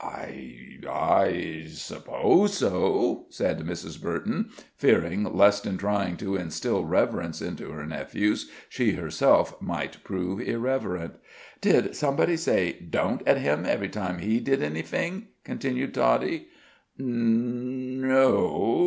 "I I suppose so," said Mrs. Burton, fearing lest in trying to instill reverence into her nephews, she herself might prove irreverent. "Did somebody say 'Don't' at Him every time he did anyfing?" continued Toddie. "N n n o!